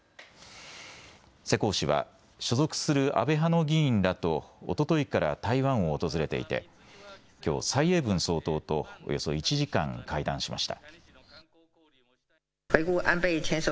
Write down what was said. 世耕氏は所属する安倍派の議員らとおとといから台湾を訪れていてきょう蔡英文総統とおよそ１時間、会談しました。